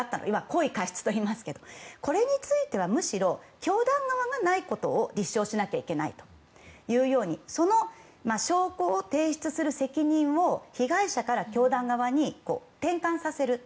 故意・過失といいますけどこれについてはむしろ教団側がないことを立証しなきゃいけないようにその証拠を提出する責任を被害者から教団側に転換させる。